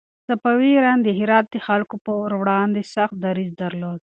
صفوي ایران د هرات د خلکو پر وړاندې سخت دريځ درلود.